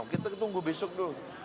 kita tunggu besok dulu